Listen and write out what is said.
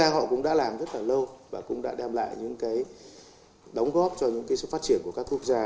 họ cũng đã làm rất là lâu và cũng đã đem lại những cái đóng góp cho những cái sự phát triển của các quốc gia